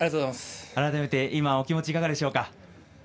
改めてお気持ち、いかがですか。